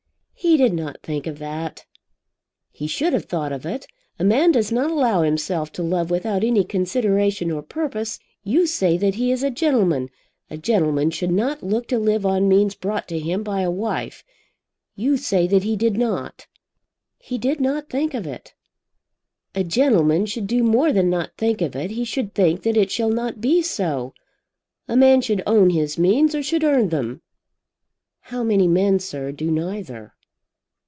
"He did not think of that." "He should have thought of it. A man does not allow himself to love without any consideration or purpose. You say that he is a gentleman. A gentleman should not look to live on means brought to him by a wife. You say that he did not." "He did not think of it." "A gentleman should do more than not think of it. He should think that it shall not be so. A man should own his means or should earn them." "How many men, sir, do neither?"